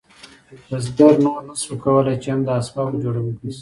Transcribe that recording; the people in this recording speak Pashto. بزګر نور نشو کولی چې هم د اسبابو جوړونکی شي.